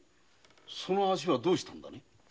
その足はどうしたんだね？